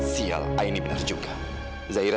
sial aini bener juga